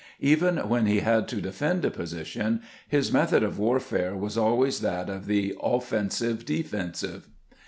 Even when he had to defend a position, his method of warfare was always that of the " offensive defensive."